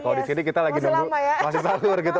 kalau di sini kita lagi nunggu mas salur gitu